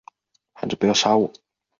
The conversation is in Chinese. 喊着不要杀我